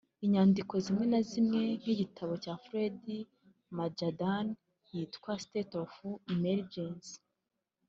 Inyandiko zimwe na zimwe nk’igitabo cya Fred Majdalany yitwa State of Emergency